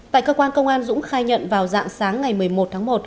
tại cơ quan công an dũng khai nhận vào dạng sáng ngày một mươi một tháng một